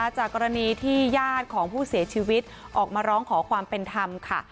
จากกรณีที่ญาติของผู้เสียชีวิตออกมาร้องขอความเป็นธรรมค่ะ